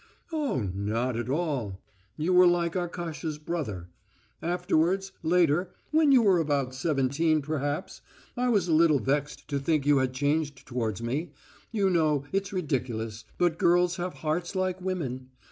"Oh, not at all!... You were like Arkasha's brother.... Afterwards, later, when you were about seventeen perhaps, I was a little vexed to think you had changed towards me.... You know, its ridiculous, but girls have hearts like women.